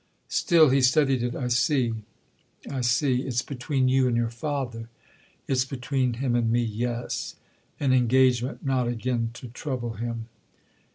Still he studied it. "I see—I see. It's between you and your father." "It's between him and me—yes. An engagement not again to trouble him."